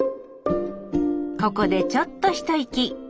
ここでちょっと一息。